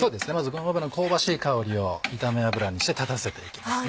ごま油の香ばしい香りを炒め油にして立たせていきます。